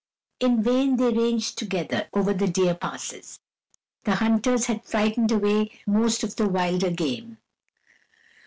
In vain they ranged together over the deer passes; the hunters had frightened away most of the wilder game.